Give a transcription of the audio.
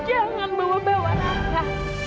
jangan bawa bawa raka